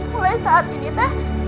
mulai saat ini teh